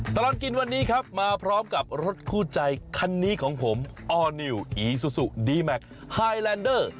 ตลอดกินวันนี้ครับมาพร้อมกับรถคู่ใจคันนี้ของผมออร์นิวอีซูซูดีแมคไฮแลนเดอร์